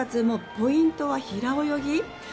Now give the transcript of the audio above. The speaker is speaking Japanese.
ポイントは平泳ぎ。